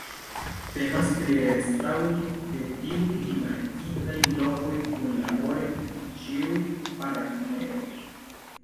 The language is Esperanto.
Temas pri restaŭro de tiuj rimarkindaj lokoj kunlabore kun ĉiuj partneroj.